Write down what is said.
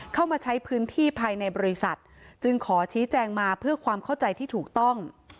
เข้ามาใช้พื้นที่ภายในบริษัทจึงขอชี้แจงมาเพื่อความเข้าใจที่ถูกต้อง